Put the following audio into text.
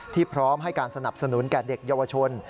พร้อมให้การสนับสนุนแก่เด็กเยาวชน